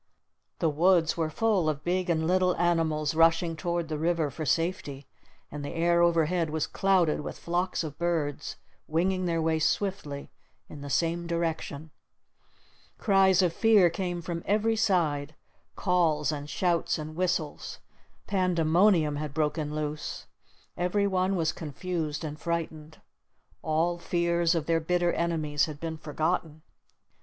The woods were full of big and little animals rushing toward the river for safety, and the air overhead was clouded with flocks of birds winging their way swiftly in the same direction. Cries of fear came from every side calls and shouts and whistles. Pandemonium had broken loose. Every one was confused and frightened. All fears of their bitter enemies had been forgotten.